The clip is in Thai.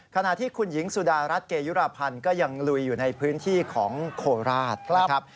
ขณะที่คุณหญิงสุดารัฐเกยุรพันธ์ก็ยังลุยอยู่ในพื้นที่ของโคราชนะครับ